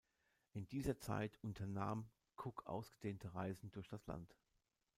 In dieser Zeit unternahm Cooke ausgedehnte Reisen durch das Land.